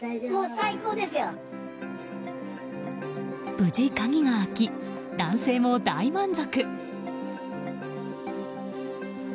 無事、鍵が開き男性も大満足。